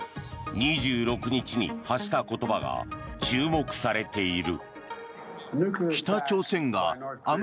２６日に発した言葉が注目されている。